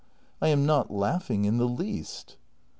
I am not laughing in the least.